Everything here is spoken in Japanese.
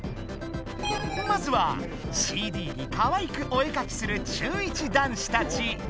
まずはＣＤにかわいくお絵かきする中１男子たち。